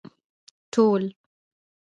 ټول